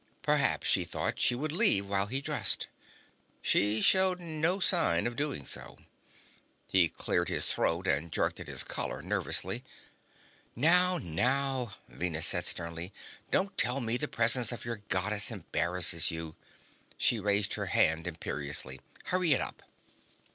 Perhaps, he thought, she would leave while he dressed. She showed no sign of doing so. He cleared his throat and jerked at his collar nervously. "Now, now," Venus said sternly. "Don't tell me the presence of your Goddess embarrasses you." She raised her head imperiously. "Hurry it up."